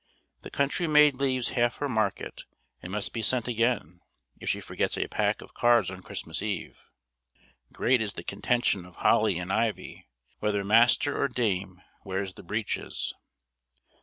The country maid leaves half her market, and must be sent again, if she forgets a pack of cards on Christmas eve. Great is the contention of Holly and Ivy, whether master or dame wears the breeches.